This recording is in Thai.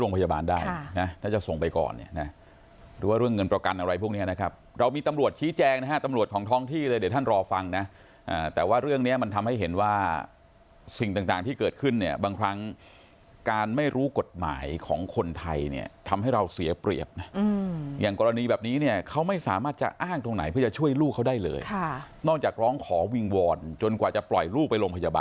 ถ้าจะส่งไปก่อนหรือว่าเรื่องเงินประกันอะไรพวกนี้นะครับเรามีตำรวจชี้แจงนะฮะตำรวจของท้องที่เลยเดี๋ยวท่านรอฟังนะแต่ว่าเรื่องนี้มันทำให้เห็นว่าสิ่งต่างต่างที่เกิดขึ้นเนี่ยบางครั้งการไม่รู้กฎหมายของคนไทยเนี่ยทำให้เราเสียเปรียบอย่างกรณีแบบนี้เนี่ยเขาไม่สามารถจะอ้างตรงไหนเพื่อจะช่วยลูกเขา